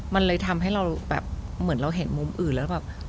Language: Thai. มันเลยทำให้เราแบบเหมือนเราเห็นมุมอื่นแล้วแบบ